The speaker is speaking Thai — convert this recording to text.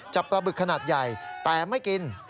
จับปลาบึกขนาดใหญ่แต่ไม่กิน